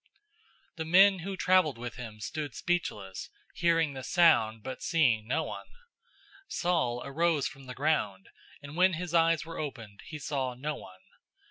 009:007 The men who traveled with him stood speechless, hearing the sound, but seeing no one. 009:008 Saul arose from the ground, and when his eyes were opened, he saw no one.